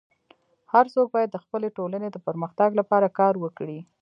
هر څوک باید د خپلي ټولني د پرمختګ لپاره کار وکړي.